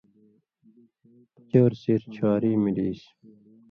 چؤر سېر چھواری ملیسیۡ۔